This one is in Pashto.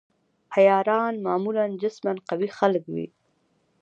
عیاران معمولاً جسماً قوي خلک وي.